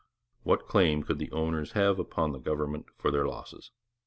What claim could the owners have upon the government for their losses?